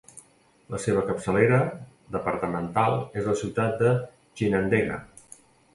La seva capçalera departamental és la ciutat de Chinandega.